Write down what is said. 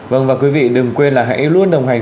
vâng và quý vị đừng quên là hãy luôn đồng hành